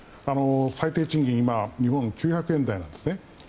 最低賃金は日本は今９００円台なんです。